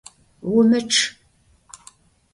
Vumıçç!